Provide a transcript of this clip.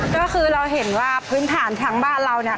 ก็คือเราเห็นว่าพื้นฐานทั้งบ้านเราเนี่ย